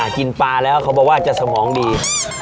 กินปลาแล้วเขาบอกว่าจะสมองดี